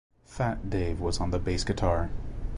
'Fat' Dave was on the bass guitar.